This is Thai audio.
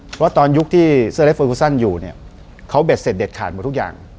เพราะตอนยุคที่เสื้อเล็กเฟอร์กูซันอยู่เนี่ยเขาเด็ดเสร็จเด็ดขาดหมดทุกอย่าง